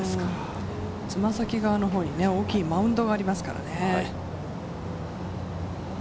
つま先側に大きいマウンドがありますからね。